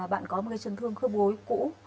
bạn có một cái chân thương khớp gối cũ